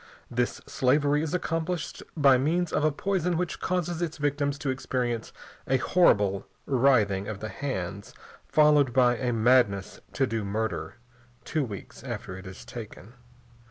This slavery is accomplished by means of a poison which causes its victims to experience a horrible writhing of the hands, followed by a madness to do murder, two weeks after it is taken.